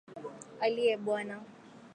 Aliye Bwana.